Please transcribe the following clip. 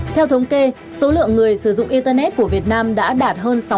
theo thống kê số lượng người sử dụng internet của việt nam đã đạt hơn sáu mươi tám bảy mươi hai